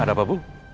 ada apa bu